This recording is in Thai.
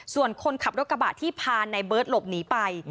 ส่วนคนขับรถกระบะที่พาในเบิร์ตหลบหนีไป